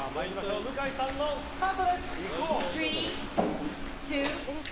向井さんのスタートです！